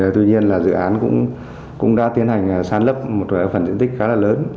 tuy nhiên là dự án cũng đã tiến hành san lấp một phần diện tích khá là lớn